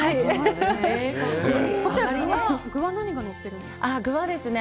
こちら、具は何がのってるんですか？